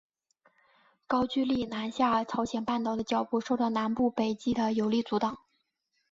高句丽南下朝鲜半岛的脚步受到南部百济的有力阻挡。